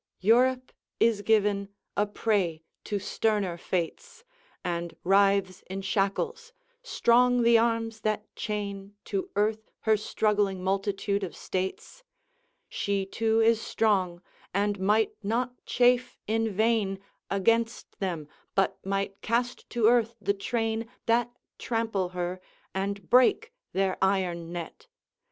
XXXIV. Europe is given a prey to sterner fates, And writhes in shackles; strong the arms that chain To earth her struggling multitude of states; She too is strong, and might not chafe in vain Against them, but might cast to earth the train That trample her, and break their iron net.